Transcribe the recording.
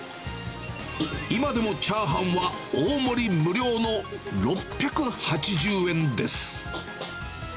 今でもチャーハンは大盛り無料の６８０円です。